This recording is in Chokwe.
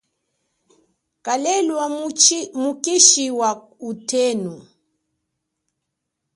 Kalelwa mukishi wa utenu.